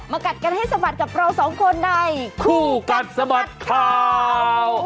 กัดกันให้สะบัดกับเราสองคนในคู่กัดสะบัดข่าว